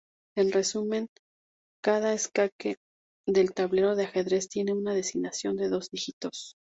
En resumen, cada escaque del tablero de ajedrez tiene una designación de dos dígitos.